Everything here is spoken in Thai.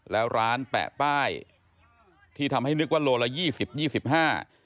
แล้วร้านแปะป้ายที่ทำให้นึกว่าโลละ๒๐๒๕